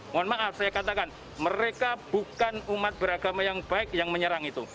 mohon maaf saya katakan mereka bukan umat beragama yang baik yang menyerang itu